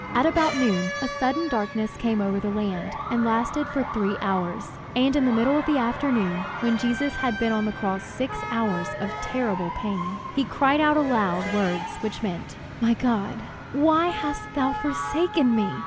At about noon, a sudden darkness came over the land, and lasted for three hours. And in the middle of the afternoon, when Jesus had been on the cross six hours of terrible pain, he cried out aloud words which meant: "My God, my God, why hast thou forsaken me!"